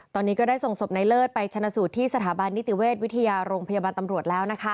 ตอนนี้ก็ได้ส่งศพในเลิศไปชนะสูตรที่สถาบันนิติเวชวิทยาโรงพยาบาลตำรวจแล้ว